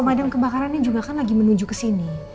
pak surya kebakarannya juga kan lagi menuju kesini